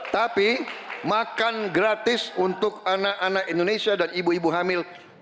tapi makan gratis untuk anak anak indonesia dan ibu ibu hamil itu